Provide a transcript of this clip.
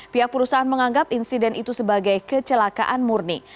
pihak perusahaan menganggap insiden itu sebagai kecelakaan murni